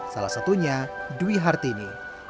salah satunya dwi hartini